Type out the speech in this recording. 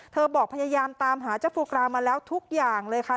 บอกพยายามตามหาเจ้าฟูกรามาแล้วทุกอย่างเลยค่ะ